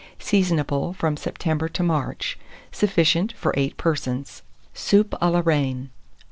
Seasonable from September to March. Sufficient for 8 persons. SOUP A LA REINE.